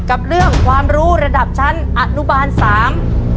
กับเรื่องความรู้ระดับชั้นอนุบาลสาม